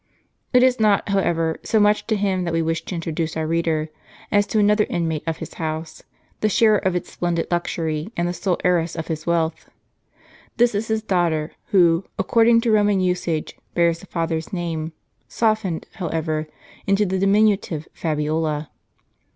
It is not, however, so much to him that we wish to intro duce our reader, as to another inmate of his house, the sharer of its splendid luxury, and the sole heiress of his wealth. This is his daughter, who, according to Roman usage, bears the father's name, softened, however, into the diminutive Fabiola.